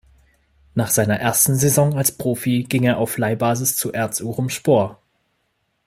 Nach seiner ersten Saison als Profi ging er auf Leihbasis zu Erzurumspor.